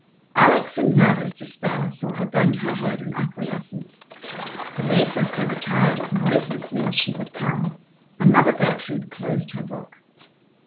Alex, in nervous despair, saw her bend her head in acquiescence. The lay sister retired as noiselessly as she had come, and Mother Gertrude closed her book.